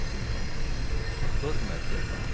「ゴルフもやっているの？